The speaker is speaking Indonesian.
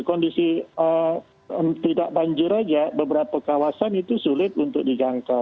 kondisi tidak banjir saja beberapa kawasan itu sulit untuk dijangkau